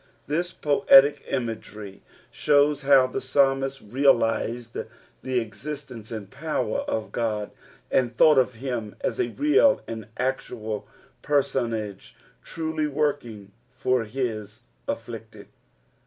This poetic imagery shows how the psalmist realised the existence and power of Ood ; and thought of him as a real and acutal person age, truly working for his afllicted.